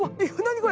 これ。